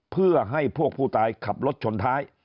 เพื่อให้พวกผู้ตายขับรถชนท้าย